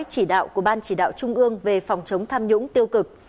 chỉ đạo của ban chỉ đạo trung ương về phòng chống tham nhũng tiêu cực